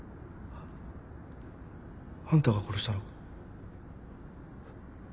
あんたが殺したのか？